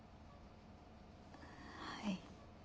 はい。